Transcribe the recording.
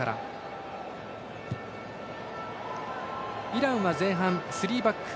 イランは前半スリーバック。